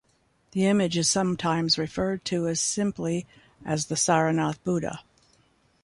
The image is sometimes referred to as simply as the Saranath Buddha.